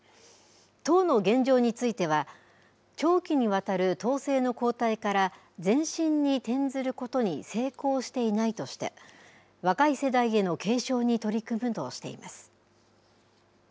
党の現状については、長期にわたる党勢の後退から前進に転ずることに成功していないとして、若い世代への継承に取り組むとしています。